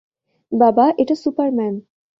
বাবা, এটা সুপারম্যান!